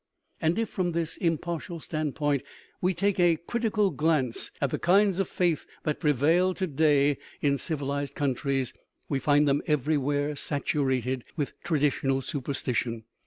And if, from this impartial stand point, we take a critical glance at the kinds of faith that prevail to day in civilized countries, we find them everywhere satu rated with traditional superstition.